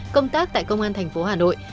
công tác tại công an tp hà nội